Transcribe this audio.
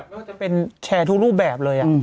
ไม่ว่าจะเป็นแชร์ทุกรูปแบบเลย